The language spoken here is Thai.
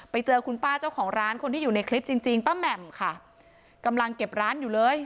ไปเจอคุณป้าเจ้าของร้านคนที่อยู่ในคลิปจริงจริงป้าแหม่มค่ะกำลังเก็บร้านอยู่เลย